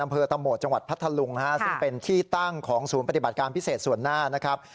อำเภอตะโหมดจังหวัดพัทธลุงซึ่งเป็นที่ตั้งของศูนย์ปฏิบัติการพิเศษส่วนหน้านะครับ